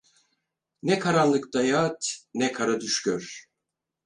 Ne karanlıkta yat, ne kara düş gör.